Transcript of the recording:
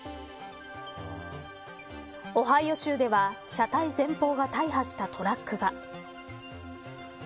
オハイオ州では車体前方が大破したトラックが。